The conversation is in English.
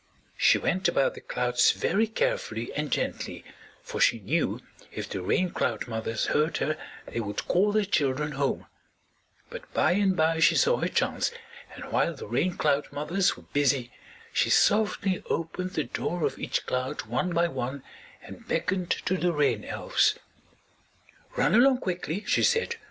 She went about the clouds very carefully and gently, for she knew if the Rain Cloud mothers heard her they would call their children home; but by and by she saw her chance, and while the Rain Cloud mothers were busy she softly opened the door of each cloud one by one and beckoned to the Rain Elves. "Run along quickly," she said.